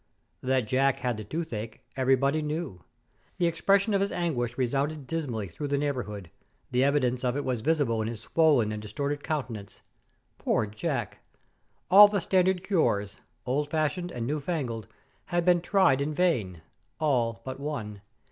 That Jack had the toothache everybody knew. The expression of his anguish resounded dismally through the neighbourhood; the evidence of it was visible in his swollen and distorted countenance. Poor Jack! All the standard cures old fashioned and new fangled had been tried in vain; all but one.